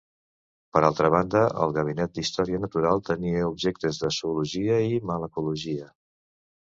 Per altra banda, el Gabinet d’Història Natural tenia objectes de zoologia i malacologia.